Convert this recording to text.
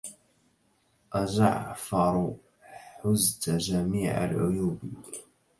أجعفر حزت جميع العيوب